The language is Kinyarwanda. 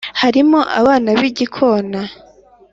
harimo abana bi gikona.